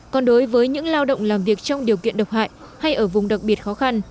còn đối với những lao động làm việc trong điều kiện độc hại hay ở vùng đặc biệt khó khăn